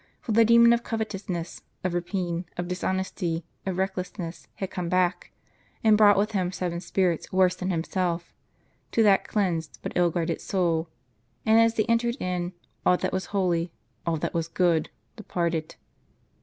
For the demon of covetousness, of rapine, of dishonesty, of reckless ness, had come back, and brought with him seven spirits worse than himself, to that cleansed but ill guarded soul; and as they entered in, all that was holy, all that was good, departed.